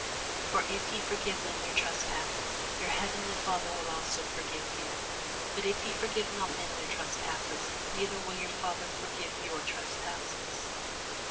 For if ye forgive men their trespasses, your heavenly Father will also forgive you: but if ye forgive not men their trespasses, neither will your Father forgive your trespasses.